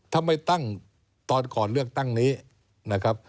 ทำไมตั้งตอนก่อนเลือกตั้งนี้นะครับ